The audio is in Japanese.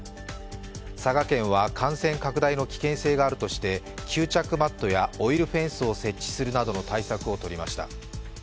佐賀県は感染拡大の危険性があるとして、吸着マットやオイルフェンスを設置するなどの対策を取りました。